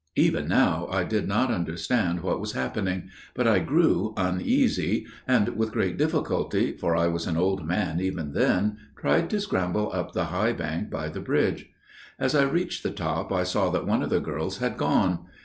"Even now I did not understand what was happening: but I grew uneasy––and with great difficulty, for I was an old man even then, tried to scramble up the high bank by the bridge. As I reached the top I saw that one of the girls had gone.